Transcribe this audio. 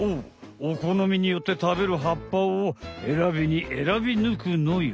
おこのみによってたべるはっぱをえらびにえらびぬくのよ。